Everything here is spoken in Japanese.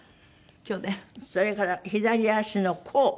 それから左足の甲。